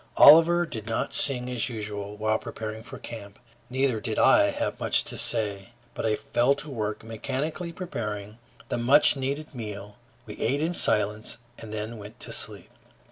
Oliver did not sing as usual while preparing for camp. Neither did I have much to say; but I fell to work, mechanically preparing the much needed meal. We ate in silence and then went to sleep.